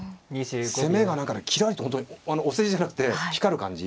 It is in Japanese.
攻めが何かねきらりと本当にお世辞じゃなくて光る感じ。